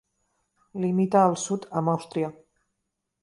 Limita al sud amb Àustria.